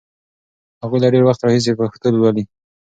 هغوی له ډېر وخت راهیسې پښتو لولي.